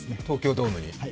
東京ドームに？